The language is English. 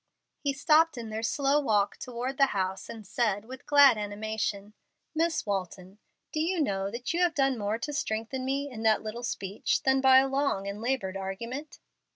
He stopped in their slow walk toward the house and said, with glad animation, "Miss Walton, do you know you have done more to strengthen me in that little speech than by a long and labored argument?"